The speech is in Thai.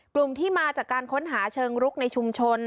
กลุ่มที่มาจากการค้นหาเชิงรุกในชุมชน